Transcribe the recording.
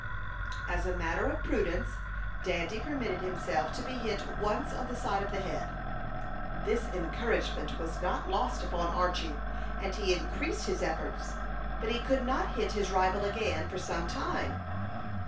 As a matter of prudence, Dandy permitted himself to be hit once on the side of the head. This encouragement was not lost upon Archy, and he increased his efforts, but he could not hit his rival again for some time.